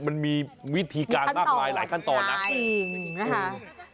มันมีวิธีการมากมายหลายขั้นตอนนะจริงนะคะ